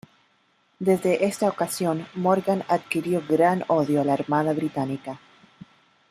Desde esta ocasión Morgan adquirió gran odio a la armada británica.